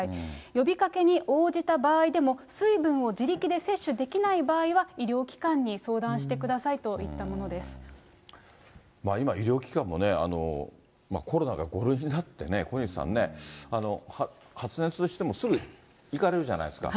呼びかけに応じた場合でも、水分を自力で摂取できない場合は、医療機関に相談してくださいとい今、医療機関もね、コロナが５類になってね、小西さんね、発熱してもすぐに行かれるじゃないですか。